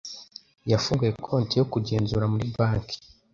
Yafunguye konti yo kugenzura muri banki.